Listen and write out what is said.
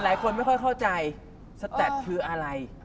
หลายคนไม่ค่อยเข้าใจสแตปคืออะไร